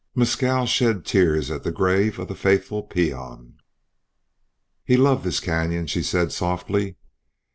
Mescal shed tears at the grave of the faithful peon. "He loved this canyon," she said, softly.